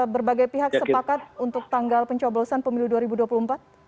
berbagai pihak sepakat untuk tanggal pencoblosan pemilu dua ribu dua puluh empat